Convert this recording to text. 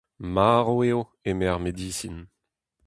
Marv eo, eme ar medisin.